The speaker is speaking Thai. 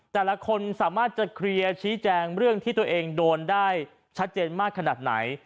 แต่ละคนสามารถจะเคลียร์ชี้แจงเรื่องที่ตัวเองโดนได้ชัดเจนมากขนาดไหน